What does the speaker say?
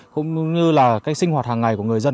cũng như là cái sinh hoạt hàng ngày của người dân